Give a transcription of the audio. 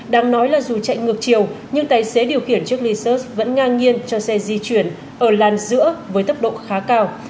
đáng nói là dù chạy ngược chiều nhưng tài xế điều khiển chiếc licus vẫn ngang nhiên cho xe di chuyển ở làn giữa với tốc độ khá cao